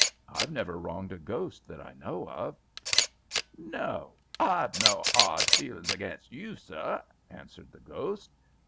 I've never wronged a ghost that I know of." "No, h'I've no 'ard feelinks against you, sir," answered the ghost.